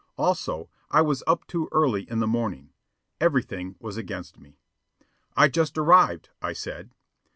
Also, I was up too early in the morning. Everything was against me. "I just arrived," I said.